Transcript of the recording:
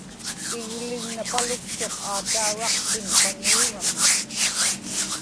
iglignapaluktuq aatauraqpiñ paniuraŋa